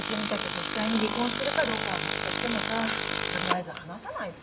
実際に離婚するかどうかは別としてもさ取りあえず話さないと。